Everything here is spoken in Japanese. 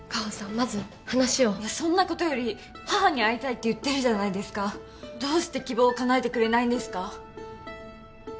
まず話をそんなことより母に会いたいと言ってるじゃないですかどうして希望をかなえてくれないんですか？